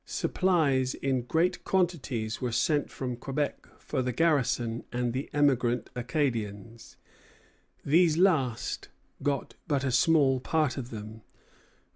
Supplies in great quantities were sent from Quebec for the garrison and the emigrant Acadians. These last got but a small part of them.